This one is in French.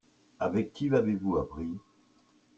Avec qui l'avez-vous appris ?